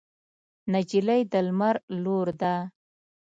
نجلۍ د لمر لور ده.